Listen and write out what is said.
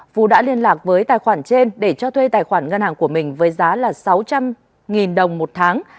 phú đã liên lạc với tài khoản trên để cho thuê tài khoản ngân hàng của mình với giá là sáu trăm linh đồng một tháng